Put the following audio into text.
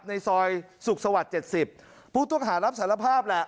ในซอยสุขสวัสดิ์เจ็ดสิบผู้ต้องหารับสารภาพแหละ